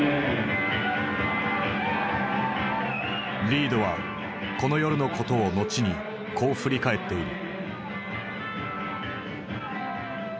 リードはこの夜のことを後にこう振り返っている。